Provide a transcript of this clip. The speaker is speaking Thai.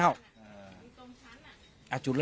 พระต่ายสวดมนต์